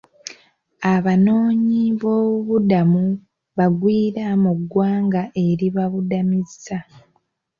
Abanoonyiboobudamu bagwiira mu ggwanga eribabudamizza.